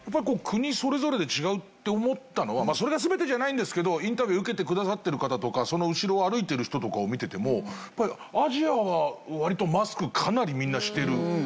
こう国それぞれで違うって思ったのはそれが全てじゃないんですけどインタビュー受けてくださってる方とかその後ろを歩いてる人とかを見ててもやっぱりアジアは割とマスクかなりみんなしてる。